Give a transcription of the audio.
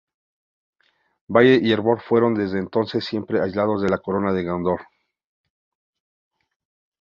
Valle y Erebor fueron desde entonces siempre aliados de la corona de Gondor.